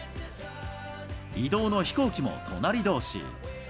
移動の飛行機も隣どうし。